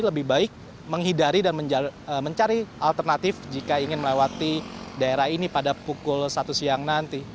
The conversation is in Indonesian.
lebih baik menghindari dan mencari alternatif jika ingin melewati daerah ini pada pukul satu siang nanti